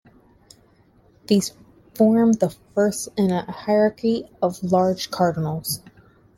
These form the first in a hierarchy of large cardinals.